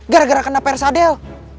gara gara kena persadel